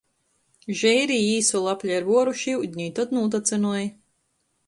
Žeirī īsolu aplej ar vuorūšu iudini i tod nūtacynoj.